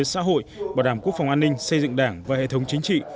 xã hội bảo đảm quốc phòng an ninh xây dựng đảng và hệ thống chính trị